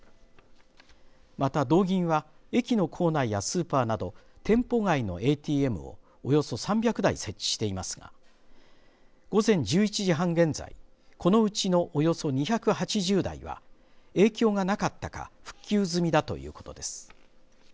また道銀は駅の構内やスーパーなど店舗外のＡＴＭもおよそ３００台設置していますが午前１１時半現在このうちのおよそ２８０台は影響がなかったか復旧済みだということです。